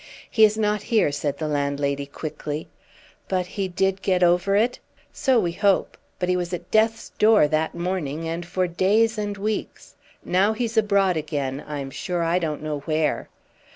"He is not here," said the landlady, quickly. "But he did get over it?" "So we hope; but he was at death's door that morning, and for days and weeks. Now he's abroad again I'm sure I don't know where."